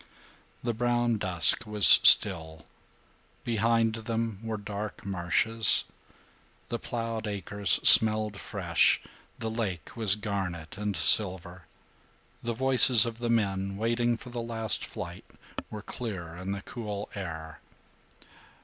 The brown dusk was still. Behind them were dark marshes. The plowed acres smelled fresh. The lake was garnet and silver. The voices of the men, waiting for the last flight, were clear in the cool air.